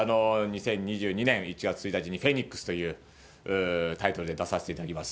２０２２年１月１日に、ＰＨＯＥＮＩＸというタイトルで出させていただきます。